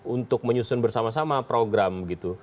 untuk menyusun bersama sama program gitu